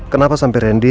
kenapa sampai randy